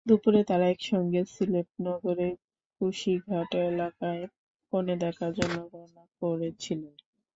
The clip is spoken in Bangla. দুপুরে তাঁরা একসঙ্গে সিলেট নগরে কুশিঘাট এলাকায় কনে দেখার জন্য রওনা করেছিলেন।